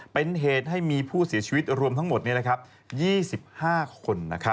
เป็นเหตุให้มีผู้เสียชีวิตรวมทั้งหมด๒๕คน